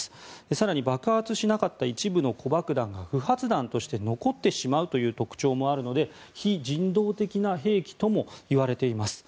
更に爆発しなかった一部の子爆弾が不発弾として残ってしまうという特徴もあるので非人道的な兵器ともいわれています。